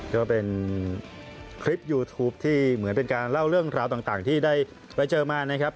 ก็เป็นคลิปยูทูปที่เหมือนเป็นการเล่าเรื่องราวต่างที่ได้ไปเจอมานะครับ